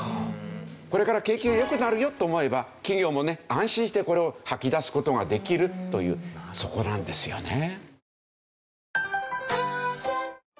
これから景気が良くなるよと思えば企業もね安心してこれを吐き出す事ができるというそこなんですよね。